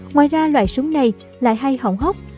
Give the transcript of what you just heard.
ngoài ra loại súng này lại hay hỏng hốc